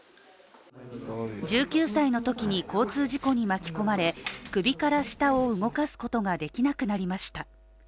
１９歳のときに、交通事故に巻き込まれ首から下を動かすことができなくなりました。